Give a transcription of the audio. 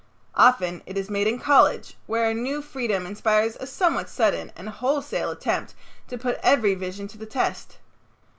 Often it is made in college where a new freedom inspires a somewhat sudden and wholesale attempt to put every vision to the test.